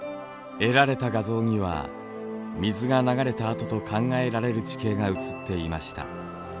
得られた画像には水が流れた跡と考えられる地形が映っていました。